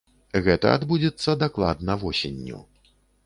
Гэта адбудзецца дакладна восенню.